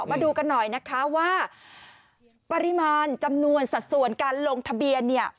มาดูกันหน่อยนะคะว่าปริมาณจำนวนสัดส่วนการลงทะเบียนเนี่ย